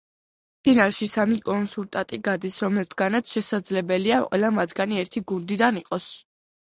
ფინალში სამი კონკურსანტი გადის, რომელთაგანაც შესაძლებელია ყველა მათგანი ერთი გუნდიდან იყოს.